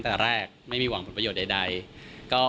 แต่แรกไม่มีหวังผลประโยชน์ใดใดก็วันนี้ผมจะจะมาเจรจากัน